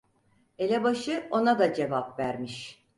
Elebaşı ona da cevap vermiş: